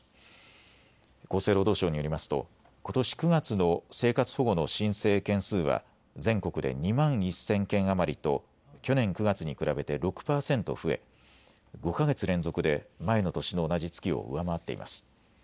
厚生労働省によりますとことし９月の生活保護の申請件数は全国で２万１０００件余りと去年９月に比べて６％増え５か月連続で前の年の同じ月を上回っています。